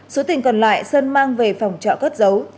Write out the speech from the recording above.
số tiền còn lại sơn mang về phòng trọ cất giấu